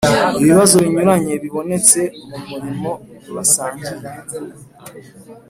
ibibazo binyuranye bibonetse mu murimo basangiye